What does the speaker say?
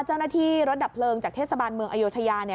เจ้าหน้าที่รถดับเพลิงจากเทศบาลเมืองอโยธยาเนี่ย